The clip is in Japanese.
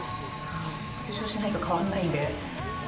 優勝しないと変わんないんで。